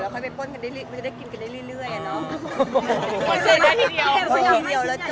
พอเปิดกล้องนี้เมื่อคืน